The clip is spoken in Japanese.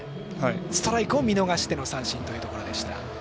ストライクを見逃しての三振というところでした。